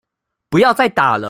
不要再打了